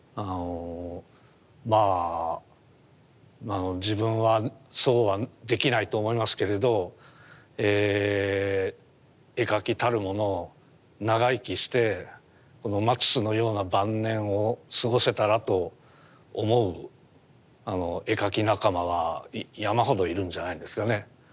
まあ自分はそうはできないと思いますけれど絵描きたるもの長生きしてこのマティスのような晩年を過ごせたらと思う絵描き仲間は山ほどいるんじゃないんですかね。